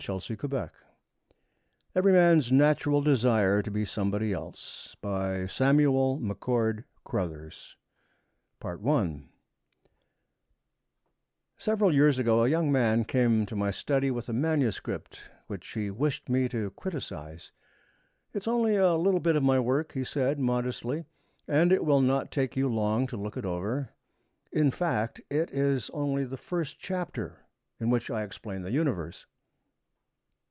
Every Man's Natural Desire to be Somebody Else By Samuel McChord Crothers I Several years ago a young man came to my study with a manuscript which he wished me to criticize. 'It is only a little bit of my work,' he said modestly, 'and it will not take you long to look it over. In fact it is only the first chapter, in which I explain the Universe.'